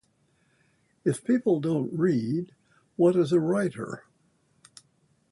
If people don't read, what is a writer?